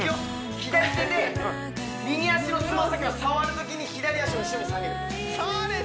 左手で右足の爪先を触るときに左足を後ろに下げるそうです